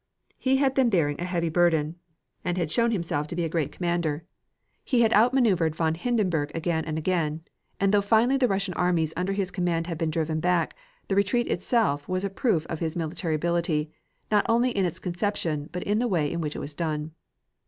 He had been bearing a heavy burden, and had shown himself to be a great commander. He had outmaneuvered von Hindenberg again and again, and though finally the Russian armies under his command had been driven back, the retreat itself was a proof of his military ability, not only in its conception, but in the way in which it was done.